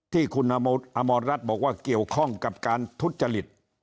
ที่คุณอมรรัฐบอกว่าเกี่ยวข้องกับการทุจริต